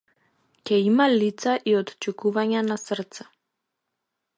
Ќе има лица и отчукувања на срце.